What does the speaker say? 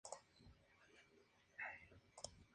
Eladio Herrera realizó sólo dos peleas como profesional.